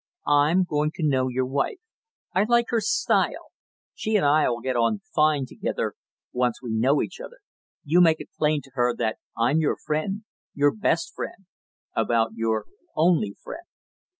I'm going to know your wife. I like her style she and I'll get on fine together, once we know each other. You make it plain to her that I'm your friend, your best friend, about your only friend!"